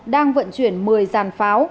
đang vận chuyển một mươi giàn pháo